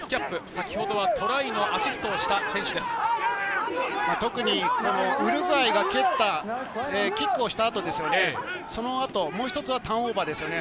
先ほどはトライのアシストを特にウルグアイが蹴った、キックをしたあとですね、そのあと、もう一つはターンオーバーですね。